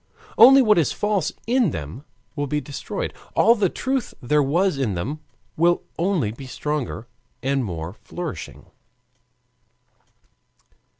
Only what is false in them will be destroyed; all the truth there was in them will only be stronger and more flourishing.